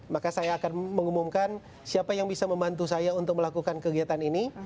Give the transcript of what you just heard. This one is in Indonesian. maka saya akan mengumumkan siapa yang bisa membantu saya untuk melakukan kegiatan ini